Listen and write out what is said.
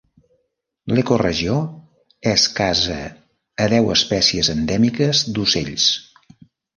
L'ecoregió és casa a deu espècies endèmiques d'ocells.